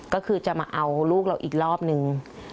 ก็คือจะมาเอาลูกเราอีกรอบนึง